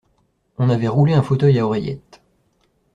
On avait roulé un fauteuil à oreillettes.